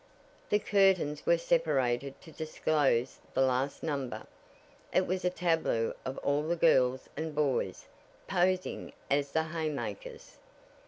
The curtains were separated to disclose the last number. It was a tableau of all the girls and boys, posing as the "Haymakers."